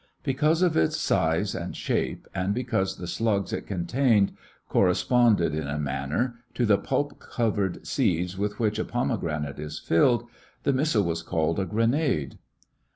Because of its size and shape, and because the slugs it contained corresponded, in a manner, to the pulp covered seeds with which a pomegranate is filled, the missile was called a "grenade."